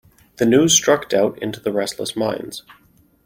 The news struck doubt into restless minds.